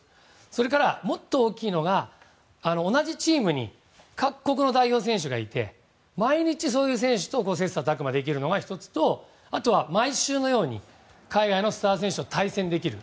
それからもっと大きいのが同じチームに各国の代表選手がいて毎日、そういう選手と切磋琢磨できるのが１つとあとは毎週のように海外のスター選手と対戦できる。